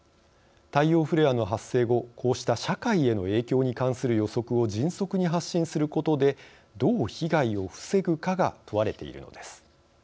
太陽フレアの発生後こうした社会への影響に関する予測を迅速に発信することで「どう被害を防ぐか」が問われているのです。